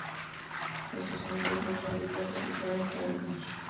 Los escenarios más realistas se sitúan entre ambos.